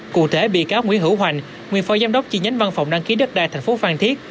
cụ thể bị cáo nguyễn hữu hoành nguyên phó giám đốc chi nhánh văn phòng đăng ký đất đai tp phan thiết